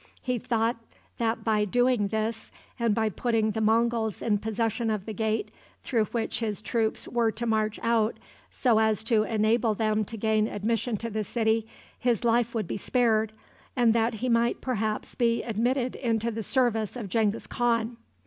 He thought that by doing this, and by putting the Monguls in possession of the gate through which his troops were to march out, so as to enable them to gain admission to the city, his life would be spared, and that he might perhaps be admitted into the service of Genghis Khan.